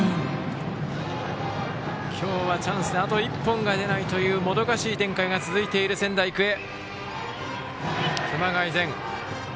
今日はチャンスであと１本が出ないというもどかしい展開が続いている仙台育英。